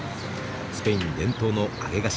スペイン伝統の揚げ菓子。